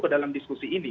kedalam diskusi ini